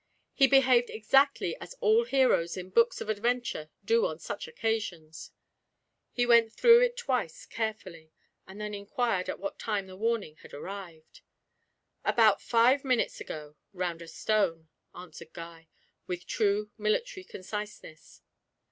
He behaved exactly as all heroes in books of adventure do on such occasions he went through it twice carefully, and then inquired at what time the warning had arrived. 'About five minutes ago. Round a stone,' answered Guy, with true military conciseness.